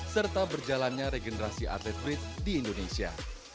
serta berjalannya regenerasi atlet bridge di indonesia